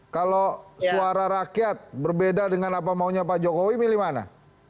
kalau suara rakyat berbeda dengan apa maunya pak jokowi milih mana